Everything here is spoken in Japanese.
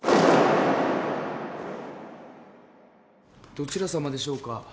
どちらさまでしょうか。